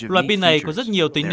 loại pin này có rất nhiều tính chất